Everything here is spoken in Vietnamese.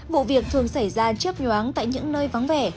vụ việc thường xảy ra chớp nhoáng tại những nơi vắng vẻ